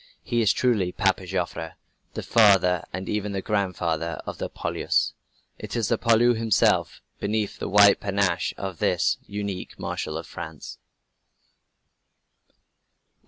He is truly 'Papa Joffre,' the father and even the grandfather of the poilus. It is the poilu himself beneath the white panache of this unique Marshal of France."